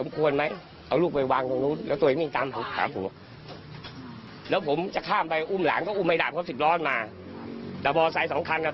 เขายังขัดมามองเด็กเลย